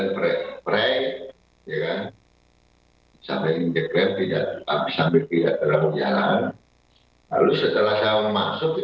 pihak yayasan menyebut jika kegiatan tersebut merupakan kegiatan wisuda yang sudah menjadi agenda tahunan dan telah disepakati orang tua siswa